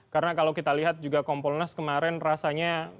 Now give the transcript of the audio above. karena kalau kita lihat juga kompolnas kemarin rasanya